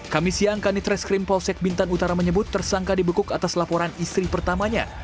kamisian kanitreskrim polsek bintan utara menyebut tersangka dibekuk atas laporan istri pertamanya